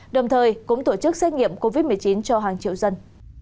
đồng thời cũng tổ chức xét nghiệm covid một mươi chín cho hàng triệu dân